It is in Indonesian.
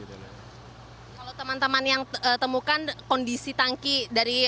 kalau teman teman yang temukan kondisi tangki dari